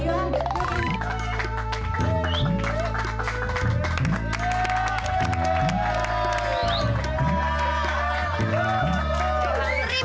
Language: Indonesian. begitu loh tia